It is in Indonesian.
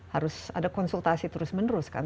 harus ada konsultasi terus menerus kan